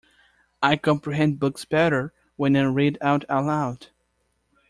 I comprehend books better when I read out aloud.